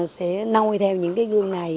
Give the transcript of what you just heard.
sẽ nôi theo những cái gương này